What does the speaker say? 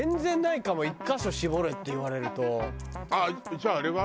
じゃああれは？